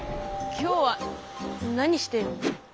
今日は何してるの？